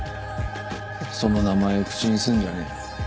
その名前を口にすんじゃねえ。